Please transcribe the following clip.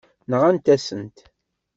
Nɣant-asent-t.